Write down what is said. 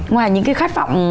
ngoài những cái khát vọng